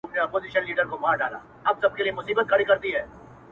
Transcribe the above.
يو وير لـــړلي غمـــځپــلي ځــــوان ويـــــلــــه راتــــــــــه،